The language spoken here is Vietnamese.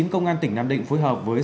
công an tỉnh nam định phối hợp với